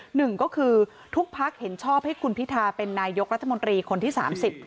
หนึ่งก็คือทุกพักเห็นชอบให้คุณพิทาเป็นนายกรัฐมนตรีคนที่สามสิบ